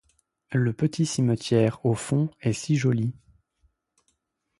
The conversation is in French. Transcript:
Le petit cimetière, au fond, est si joli!